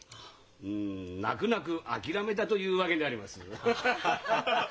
泣く泣く諦めたというわけであります。